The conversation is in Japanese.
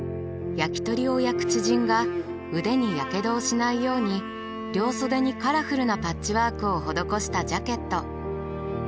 焼き鳥を焼く知人が腕にやけどをしないように両袖にカラフルなパッチワークを施したジャケット。